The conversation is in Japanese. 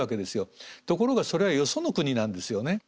ところがそれはよその国なんですよね。